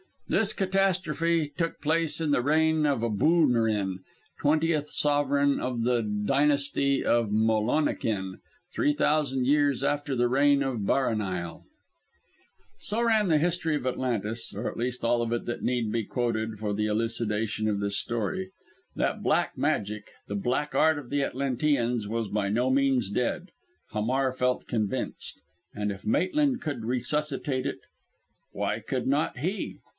This catastrophe took place in the reign of Aboonirin, twentieth sovereign of the Dynasty of Molonekin three thousand years after the reign of Barrahneil. So ran the history of Atlantis, or at least all of it that need be quoted for the elucidation of this story. That Black Magic the Black Art of the Atlanteans was by no means dead Hamar felt convinced, and if Maitland could resuscitate it why could not he?